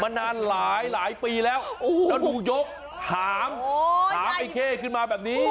มานานหลายหลายปีแล้วแล้วนูยกหางพลังไอเค้ขึ้นมาแบบนี้